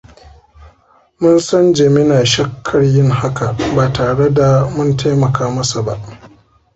Mun san Jami na shakkar yin haka ba tare da mun taimaka masa ba.